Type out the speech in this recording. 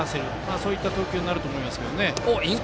そういった投球になると思います。